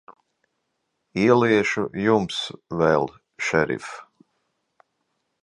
Ieliešu Jums vēl, šerif.